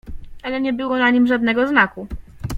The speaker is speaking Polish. "Ale nie było na nim żadnego znaku."